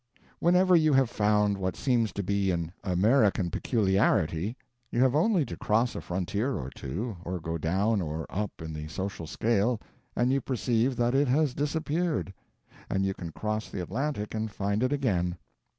Whenever you have found what seems to be an "American" peculiarity, you have only to cross a frontier or two, or go down or up in the social scale, and you perceive that it has disappeared. And you can cross the Atlantic and find it again.